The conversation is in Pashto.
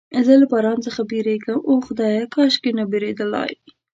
زه له باران څخه بیریږم، اوه خدایه، کاشکې نه بیریدلای.